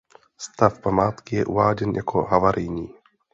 Stav památky je uváděn jako havarijní.